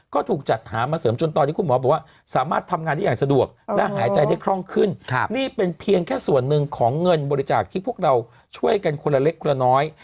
ก็ถูกจัดหามาเสริมจนตอนนี้คุณหมอบอกว่าสามารถทำงานได้อย่างสะดวกและหายใจได้คล่องขึ้นนี่เป็นเพียงแค่ส่วนหนึ่งของเงินบริจาคที่พวกเราช่วยกันคนละเล็กละน้อย